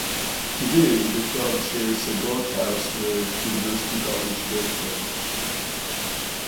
Today the club shares a boathouse with University College Boat Club.